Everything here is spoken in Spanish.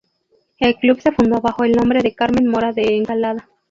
El club se fundó bajo el nombre de Carmen Mora de Encalada.